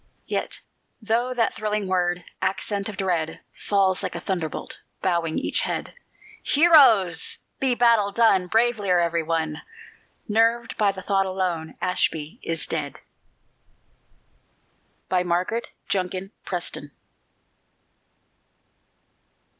Yet though that thrilling word Accent of dread Falls like a thunderbolt, Bowing each head, Heroes! be battle done Bravelier every one, Nerved by the thought alone Ashby is dead! MARGARET JUNKIN PRESTON.